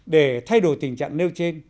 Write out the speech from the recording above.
để thay đổi tình trạng nêu trên